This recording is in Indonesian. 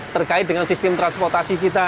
terkait dengan sistem transportasi kita